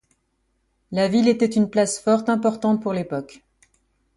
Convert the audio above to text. La ville était une place forte importante pour l’époque.